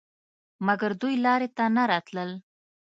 مګر دوی لارې ته نه راتلل.